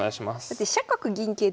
飛車角銀桂って